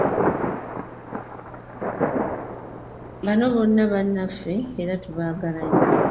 Bano bonna bannaffe era tubaagala nnyo.